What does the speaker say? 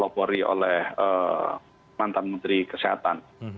yang dikolabori oleh mantan menteri kesehatan